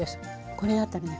これだったらね